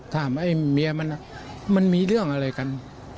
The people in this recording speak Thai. ไอ้เมียมันมีเรื่องอะไรกัน